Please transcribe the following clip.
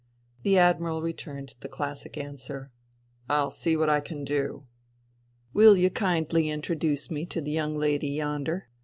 The Admiral returned the classic answer :" I'll see what I can do.*' " Will you kindly introdooce me to the young lady yonder